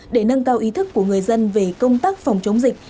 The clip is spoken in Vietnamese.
để nâng cao ý thức của người dân về công tác phòng chống dịch